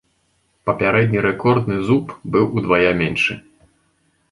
Папярэдні рэкордны зуб быў удвая меншы.